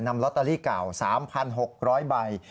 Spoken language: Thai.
ลอตเตอรี่เก่า๓๖๐๐ใบ